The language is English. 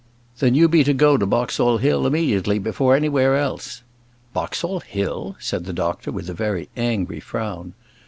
"Then you be to go to Boxall Hill immediately; before anywhere else." "Boxall Hill!" said the doctor, with a very angry frown.